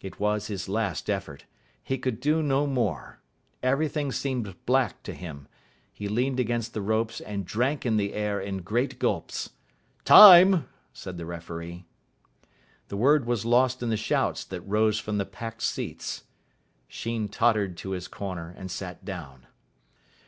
It was his last effort. He could do no more. Everything seemed black to him. He leaned against the ropes and drank in the air in great gulps. "Time!" said the referee. The word was lost in the shouts that rose from the packed seats. Sheen tottered to his corner and sat down.